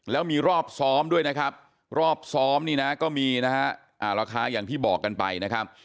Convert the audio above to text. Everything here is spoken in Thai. แล้วมีรอบซ้อมด้วยนะครับรอบซ้อมนี่นะก็มีนะฮะราคาอย่างที่บอกกันไปนะครับ